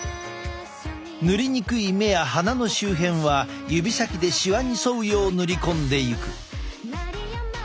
塗りにくい目や鼻の周辺は指先でシワに沿うよう塗り込んでいく。